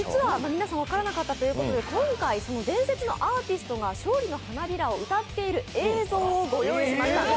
皆さん分からなかったということで今回、伝説のアーティストが「勝利の花びら」を歌っている映像をご用意しました。